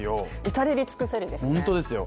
至れり尽くせりですね。